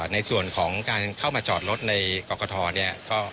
ในส่วนของการเข้ามาจอดรถในกรกฐเนี่ย